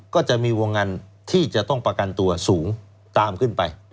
ก็จะมีวงเงินที่จะต้องประกันตัวสูงตามขึ้นไป